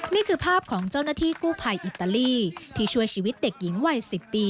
นี่คือภาพของเจ้าหน้าที่กู้ภัยอิตาลีที่ช่วยชีวิตเด็กหญิงวัย๑๐ปี